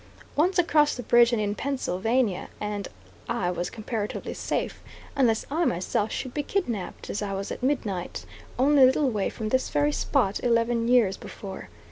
Once across the bridge and in Pennsylvania, and I was comparatively safe, unless I myself should be kidnapped as I was at midnight, only a little way from this very spot, eleven years before.